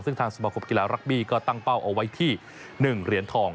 ซึ่งทางสมาคมกีฬารักบี้ก็ตั้งเป้าเอาไว้ที่๑เหรียญทอง